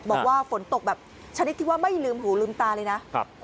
บอกว่าฝนตกแบบชนิดที่ว่าไม่ลืมหูลืมตาเลยนะ